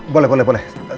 boleh boleh boleh